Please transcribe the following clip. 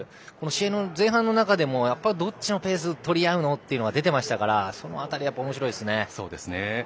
試合の前半の中でもどっちのペースをとりあうの？っていうのが出てたのでその辺りは面白いですね。